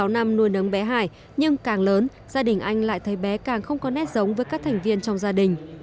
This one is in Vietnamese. sáu năm nuôi nấng bé hải nhưng càng lớn gia đình anh lại thấy bé càng không có nét giống với các thành viên trong gia đình